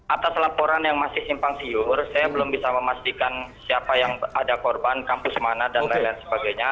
atas laporan yang masih simpang siur saya belum bisa memastikan siapa yang ada korban kampus mana dan lain lain sebagainya